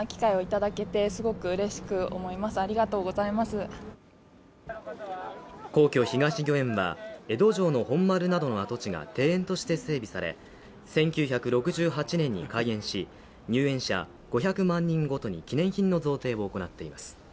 僕もサントリー「ＶＡＲＯＮ」皇居・東御苑は江戸城などの跡地が庭園として整備され１９６８年に開園し入園者５００万人ごとに記念品の贈呈を行っています。